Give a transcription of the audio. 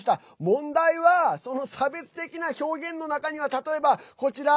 問題はその差別的な表現の中には例えば、こちら。